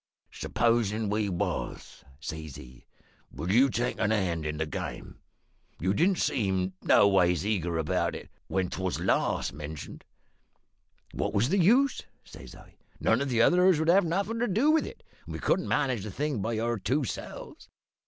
"`Supposin' we was,' says he, `would you take a hand in the game? You didn't seem noways eager about it when 'twas last mentioned.' "`What was the use?' says I. `None of the others 'd have nothin' to do with it, and we couldn't manage the thing by our two selves.